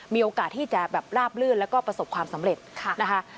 มีโอกาสที่จะแบบลาบลื่นแล้วก็ประสบความสำเร็จนะคะ